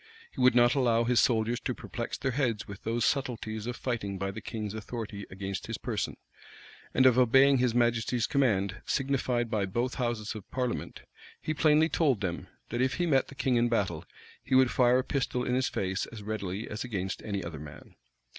He would not allow his soldiers to perplex their heads with those subtleties of fighting by the king's authority against his person, and of obeying his majesty's commands signified by both houses of parliament: he plainly told them, that if he met the king in battle, he would fire a pistol in his face as readily as against any other man.